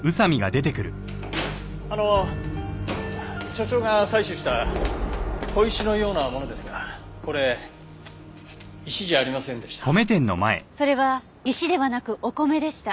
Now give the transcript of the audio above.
あの所長が採取した小石のようなものですがこれ石じゃありませんでした。それは石ではなくお米でした。